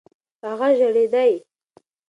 هغه ژړېدی .